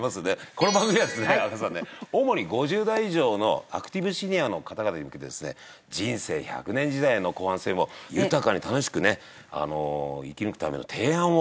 この番組はですね阿川さんね主に５０代以上のアクティブシニアの方々に向けてですね人生１００年時代の後半戦を豊かに楽しくね生き抜くための提案を。